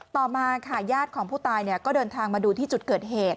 ต่อมาค่ะญาติของผู้ตายก็เดินทางมาดูที่จุดเกิดเหตุ